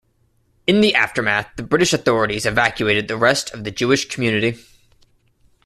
In the aftermath, the British authorities evacuated the rest of the Jewish community.